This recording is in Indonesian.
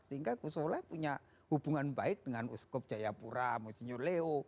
sehingga gusole punya hubungan baik dengan uskop jayapura musinyur leo